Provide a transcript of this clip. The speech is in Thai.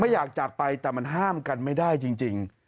อยากจากไปแต่มันห้ามกันไม่ได้จริง